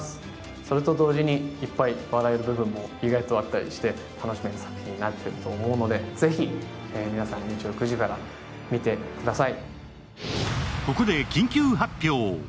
それと同時にいっぱい笑える部分も意外とあったりして、面白い作品になっていると思うので、ぜひ皆さん、日曜９時から見てください。